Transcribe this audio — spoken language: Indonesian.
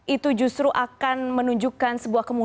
itu justru akan menunjukkan sebuah kemungkinan